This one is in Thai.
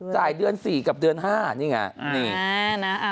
จ่ายเดือนสี่กับที่ฝั่งเดือนห้า